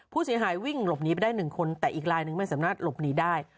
ผู้เสียหายวิ่งหลบหนีไปได้๑คนแต่อีกลายหนึ่งไม่สามารถหลบหนีได้